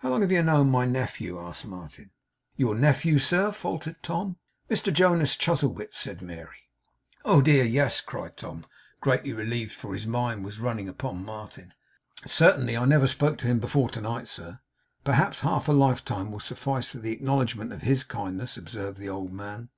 'How long have you known my nephew?' asked Martin. 'Your nephew, sir?' faltered Tom. 'Mr Jonas Chuzzlewit,' said Mary. 'Oh dear, yes,' cried Tom, greatly relieved, for his mind was running upon Martin. 'Certainly. I never spoke to him before to night, sir!' 'Perhaps half a lifetime will suffice for the acknowledgment of HIS kindness,' observed the old man.